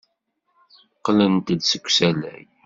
Qqlent-d seg usalay.